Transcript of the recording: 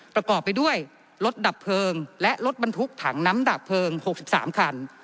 ประกอบไปด้วยรถดับเพลิงและรถบรรทุกถังน้ำดับเพลิง๖๓คัน